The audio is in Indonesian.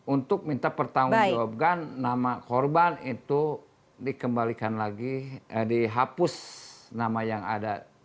untuk minta pertanggung jawaban nama korban itu dikembalikan lagi dihapus nama yang ada